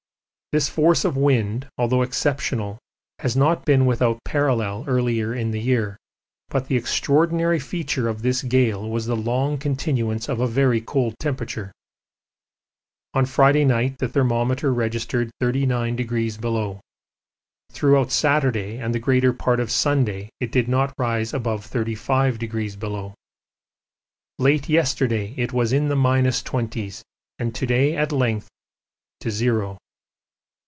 This force of wind, although exceptional, has not been without parallel earlier in the year, but the extraordinary feature of this gale was the long continuance of a very cold temperature. On Friday night the thermometer registered 39°. Throughout Saturday and the greater part of Sunday it did not rise above 35°. Late yesterday it was in the minus twenties, and to day at length it has risen to zero.